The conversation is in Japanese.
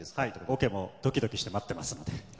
オケもドキドキして待っていますので。